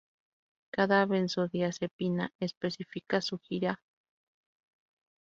Cada benzodiazepina específica surgirá por sustitución de radicales en diferentes posiciones.